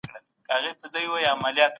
د هغوی مالونه په امانت کي وساتئ.